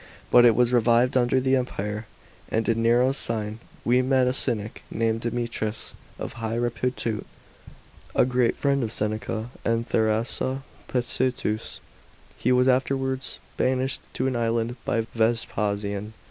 But it was revived under the Empire, and in Nero's reign we met a Cynic named Deme trius, of high repute, a great friend of Seneca and Thrasea Psetus. He was afterwards banished to an island by Vespasian.